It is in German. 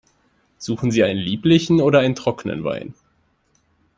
Suchen Sie einen lieblichen oder einen trockenen Wein?